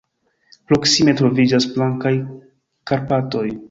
Proksime troviĝas Blankaj Karpatoj.